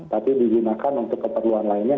tapi digunakan untuk keperluan lainnya